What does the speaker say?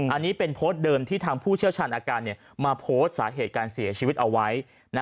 อันนี้เป็นโพสต์เดิมที่ทางผู้เชี่ยวชาญอาการมาโพสต์สาเหตุการเสียชีวิตเอาไว้